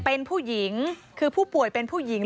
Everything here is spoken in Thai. เป็นผู้หญิงคือผู้ป่วยเป็นผู้หญิง